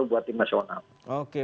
untuk tim nasional